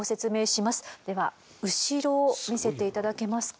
では後ろを見せて頂けますか？